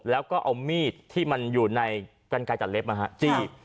แล้วก็เอามีดที่มันอยู่ในกันไกลตัดเล็บมาจี้